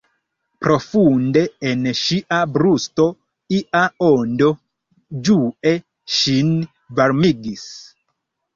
Profunde en ŝia brusto ia ondo ĝue ŝin varmigis.